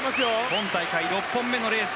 今大会６本目のレース。